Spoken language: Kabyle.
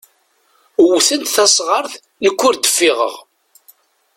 Wwten tasɣart, nekk ur d-ffiɣeɣ.